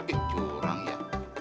eh curang ya